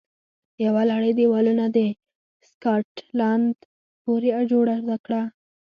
یوه لړۍ دېوالونه د سکاټلند پورې جوړه کړه